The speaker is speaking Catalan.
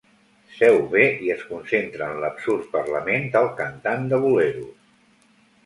Seu bé i es concentra en l'absurd parlament del cantant de boleros.